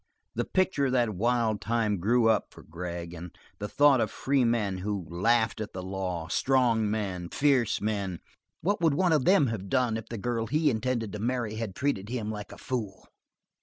The picture of that wild time grew up for Vic Gregg, and the thought of free men who laughed at the law, strong men, fierce men. What would one of these have done if the girl he intended to marry had treated him like a foil?